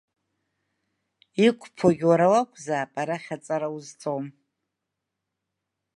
Иқәԥогьы уара уакәзаап, арахь аҵара узҵом.